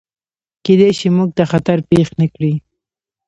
کیدای شي، موږ ته خطر پیښ نکړي.